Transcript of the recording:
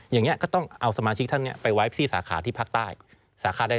อย่างนี้ก็ต้องเอาสมาชิกท่านไปไว้ที่สาขาที่ภาคใต้สาขาใด